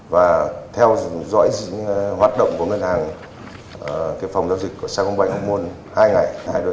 và theo dõi hoạt động của ngân hàng phòng giao dịch của sao công bạch muốn hai ngày